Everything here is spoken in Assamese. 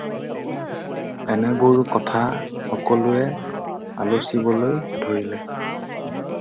এনেবোৰ কথা সকলোৱে আলচিবলৈ ধৰিলে।